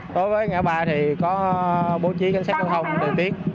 đối với ngã ba thì có bố trí cảnh sát giao thông điều tiết